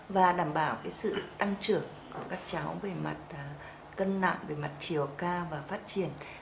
và đảm bảo sự tăng trưởng của các cháu về mặt cân nặng chiều ca và phát triển